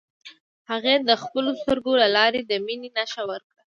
هغې د خپلو سترګو له لارې د مینې نښه ورکړه.